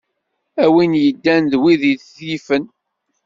A win yeddan d win i t-yifen.